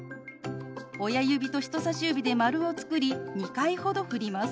親指と人さし指で丸を作り２回ほどふります。